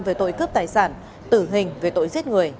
về tội cướp tài sản tử hình về tội giết người